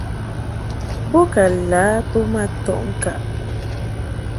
Bo ka lǎ bə ma tɔʼ ŋkaʼ.